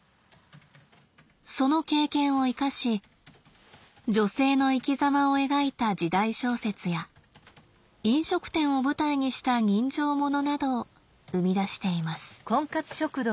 その経験を生かし女性の生きざまを描いた時代小説や飲食店を舞台にした人情物などを生み出しています。